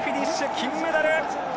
金メダル！